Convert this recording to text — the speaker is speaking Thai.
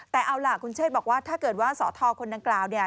แต่เอาล่ะคุณเชษบอกว่าถ้าเกิดว่าสอทอคนดังกล่าวเนี่ย